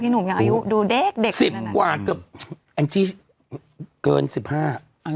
พี่หนุ่มอย่างอายุดูเด็กเด็กสิบกว่าเกือบอันที่เกินสิบห้าอ๋อ